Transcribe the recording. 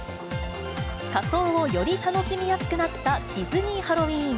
仮装をより楽しみやすくなったディズニーハロウィーン。